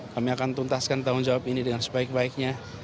kami akan tuntaskan tanggung jawab ini dengan sebaik baiknya